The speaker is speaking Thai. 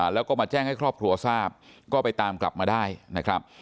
แล้วก็มาแจ้งให้ครอบครัวทราบก็ไปตามกลับมาได้นะครับ